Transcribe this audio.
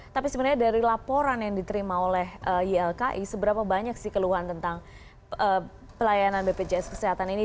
tapi sebenarnya dari laporan yang diterima oleh ylki seberapa banyak sih keluhan tentang pelayanan bpjs kesehatan ini